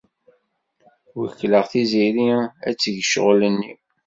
Wekkleɣ Tiziri ad teg ccɣel-nni.